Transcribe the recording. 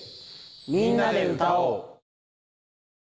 「みんなで歌おう」。